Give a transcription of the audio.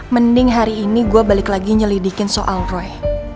mending hari ini gue balik lagi nyelidikin soal roy